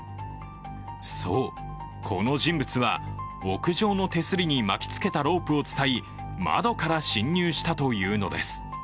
そう、この人物は屋上の手すりに巻きつけたロープをつたい窓から侵入したというのです。